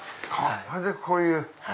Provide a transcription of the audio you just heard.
それでこういう。